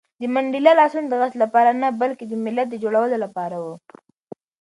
د منډېلا لاسونه د غچ لپاره نه، بلکې د ملت د جوړولو لپاره وو.